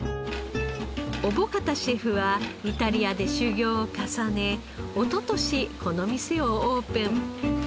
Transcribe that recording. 小保方シェフはイタリアで修業を重ね一昨年この店をオープン。